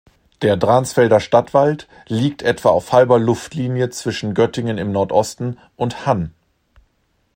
Der Dransfelder Stadtwald liegt etwa auf halber Luftlinie zwischen Göttingen im Nordosten und Hann.